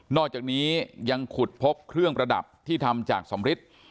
อกจากนี้ยังขุดพบเครื่องประดับที่ทำจากสำริท